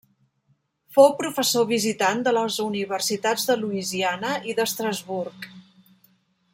Fou professor visitant de les Universitats de Louisiana i d’Estrasburg.